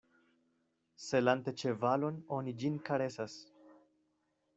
Selante ĉevalon, oni ĝin karesas.